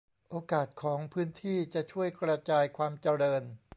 โอกาสของพื้นที่จะช่วยกระจายความเจริญ